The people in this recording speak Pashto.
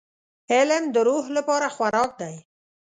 • علم د روح لپاره خوراک دی.